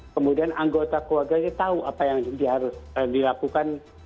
kemudian anggota keluarganya tahu apa yang harus dilakukan